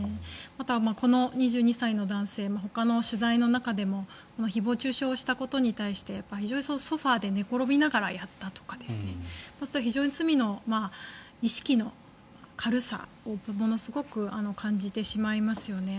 あとは、この２２歳の男性ほかの取材の中でも誹謗・中傷をしたことに対してソファで寝ころびながらやったとか非常に罪の意識の軽さをものすごく感じてしまいますね。